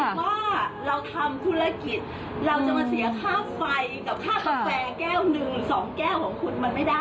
เราจะมาเสียค่าไฟค่าคาแฟก็๑๒แก้วของคุณไม่ได้หรอก